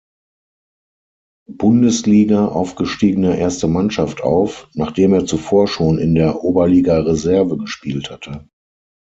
Bundesliga aufgestiegene erste Mannschaft auf, nachdem er zuvor schon in der Oberliga-Reserve gespielt hatte.